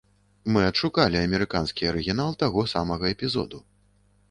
Мы адшукалі амерыканскі арыгінал таго самага эпізоду.